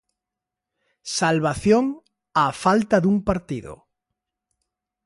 Salvación á falta dun partido.